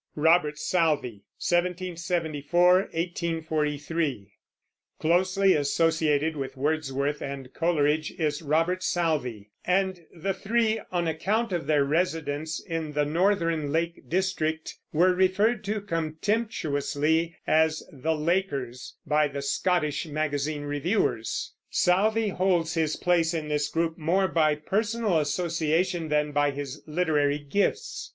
ROBERT SOUTHEY (1774 1843) Closely associated with Wordsworth and Coleridge is Robert Southey; and the three, on account of their residence in the northern lake district, were referred to contemptuously as the "Lakers" by the Scottish magazine reviewers. Southey holds his place in this group more by personal association than by his literary gifts.